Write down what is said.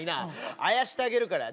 あやしてあげるから。